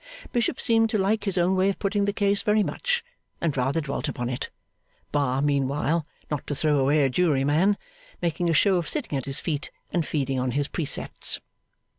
Bishop seemed to like his own way of putting the case very much, and rather dwelt upon it; Bar, meanwhile (not to throw away a jury man), making a show of sitting at his feet and feeding on his precepts.